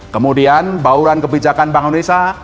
kemudian bauran kebijakan bank indonesia